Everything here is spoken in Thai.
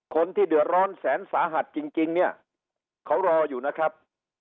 คนที่เดือดร้อนแสนสาหัสจริงเนี่ยเขารออยู่นะครับ